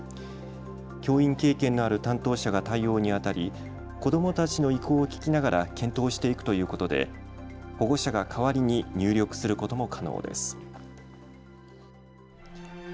教員経験のある担当者が対応にあたり子どもたちの意向を聞きながら検討していくということで保護者が代わりに入力することも可能です。